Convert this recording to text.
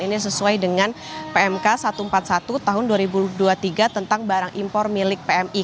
ini sesuai dengan pmk satu ratus empat puluh satu tahun dua ribu dua puluh tiga tentang barang impor milik pmi